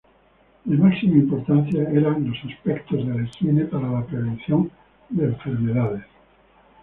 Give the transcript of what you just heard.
De máxima importancia eran los aspectos de la higiene para la prevención de enfermedades.